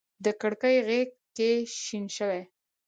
د کړکۍ غیږ کي شین شوی